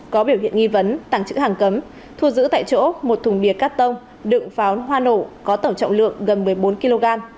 có biểu hiện nghi vấn tàng chữ hàng cấm thu giữ tại chỗ một thùng bia cắt tông đựng pháo hoa nổ có tổng trọng lượng gần một mươi bốn kg